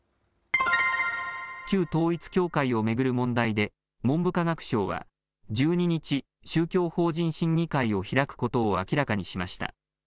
旧統一教会を巡る問題で、文部科学省は、１２日、宗教法人審議会を開くことを明らかにしました。